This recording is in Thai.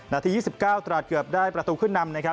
นาที๒๙ตราดเกือบได้ประตูขึ้นนำนะครับ